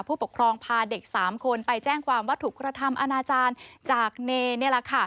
ผู้ปกครองพาเด็ก๓คนไปแจ้งความว่าถูกกระทำอาณาจารย์จากเนธ